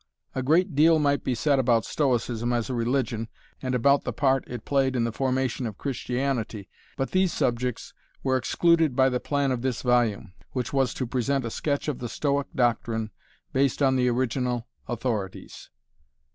A great deal might be said about Stoicism as a religion and about the part it played in the formation of Christianity but these subjects were excluded by the plan of this volume which was to present a sketch of the Stoic doctrine based on the original authorities.